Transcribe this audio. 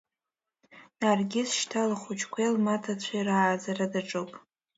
Наргиз шьҭа лхәыҷқәеи лмаҭацәеи рааӡара даҿуп.